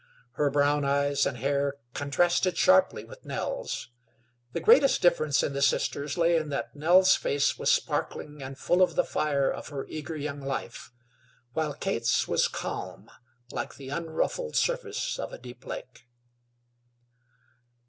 Her brown eyes and hair contrasted sharply with Nell's. The greatest difference in the sisters lay in that Nell's face was sparkling and full of the fire of her eager young life, while Kate's was calm, like the unruffled surface of a deep lake.